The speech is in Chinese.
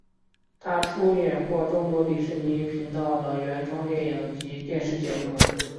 他出演过众多迪士尼频道的原创电影及电视节目。